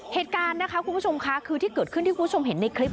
เหตุการณ์นะคะคุณผู้ชมค่ะคือที่เกิดขึ้นที่คุณผู้ชมเห็นในคลิป